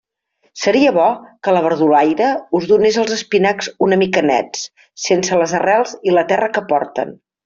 Seria bo que la verdulaire us donés els espinacs una mica nets, sense les arrels i la terra que porten.